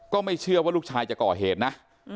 ก็ไม่เชื่อว่าลูกชายจะก่อเหตุนะ